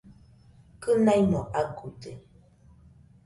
Kɨnaimo aguide